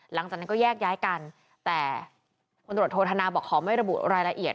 หลังจากนั้นก็แยกย้ายกันแต่คนตรวจโทษนาบอกขอไม่ระบุรายละเอียด